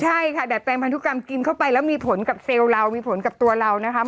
ใช่ค่ะดัดแปลงพันธุกรรมกินเข้าไปแล้วมีผลกับเซลล์เรามีผลกับตัวเรานะคะ